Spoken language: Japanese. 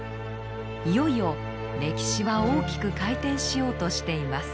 いよいよ歴史は大きく回転しようとしています。